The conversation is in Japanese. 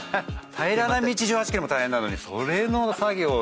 平らな道１８キロも大変なのにそれの作業で。